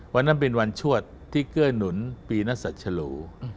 วันนั้นเป็นวันชวดที่เกื้อหนุนปีนักศัชลู